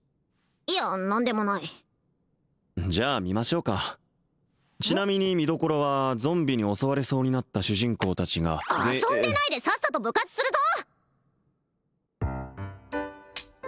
いや何でもないじゃあ見ましょうかちなみに見どころはゾンビに襲われそうになった主人公達が遊んでないでさっさと部活するぞ！